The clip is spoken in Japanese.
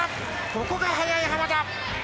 ここが速い濱田。